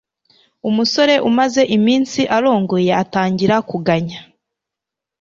umusore umaze iminsi arongoye atangira kuganya